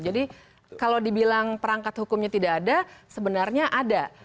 jadi kalau dibilang perangkat hukumnya tidak ada sebenarnya ada